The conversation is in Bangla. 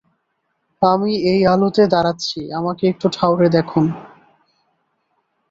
আমি এই আলোতে দাঁড়াচ্ছি, আমাকে একটু ঠাউরে দেখুন!